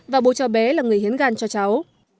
và bố cháu bé là người hiến gan cho cháu